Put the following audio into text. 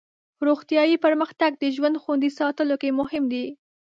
روغتیایي پرمختګ د ژوند خوندي ساتلو کې مهم دی.